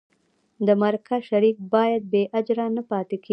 د مرکه شریک باید بې اجره نه پاتې کېږي.